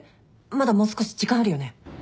まだもう少し時間あるよね？